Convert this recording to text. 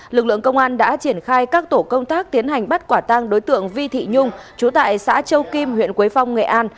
lực lượng công an đã triển khai các tổ công tác tiến hành bắt quả tang đối tượng vi thị nhung trú tại xã châu kim huyện quế phong nghệ an